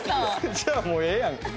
じゃあもうええやんけ。